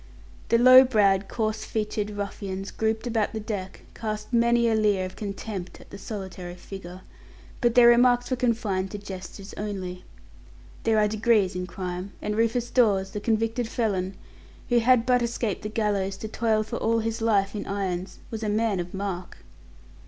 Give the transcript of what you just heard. The low browed, coarse featured ruffians grouped about the deck cast many a leer of contempt at the solitary figure, but their remarks were confined to gestures only. There are degrees in crime, and Rufus Dawes, the convicted felon, who had but escaped the gallows to toil for all his life in irons, was a man of mark.